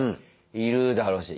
いるだろうし。